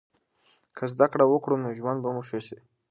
که زده کړه وکړو نو ژوند به مو ښه سي.